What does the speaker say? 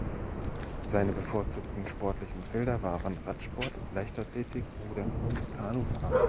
Seine bevorzugten sportlichen Felder waren Radsport, Leichtathletik, Rudern und Kanufahren.